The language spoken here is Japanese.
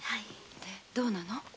どうなの？